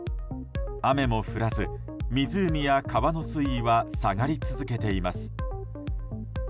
雨も降らず、湖や川の水位は下がり続けています。